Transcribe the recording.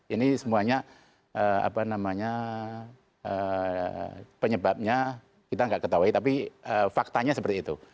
ini semuanya apa namanya penyebabnya kita nggak ketahui tapi faktanya seperti itu